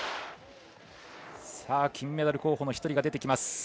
金メダル候補の１人が出てきます。